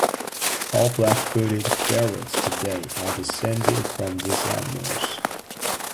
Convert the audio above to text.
All black-footed ferrets today are descended from these animals.